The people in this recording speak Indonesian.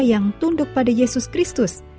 yang tunduk pada yesus kristus